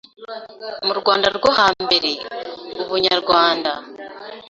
Mu Rwanda rwo hambere ubunyarwanda